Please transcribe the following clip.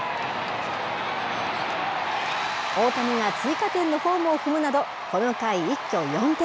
大谷は追加点のホームを踏むなど、この回、一挙４点。